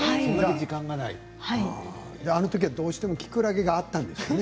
あのときはどうしてもきくらげがあったんでしょうね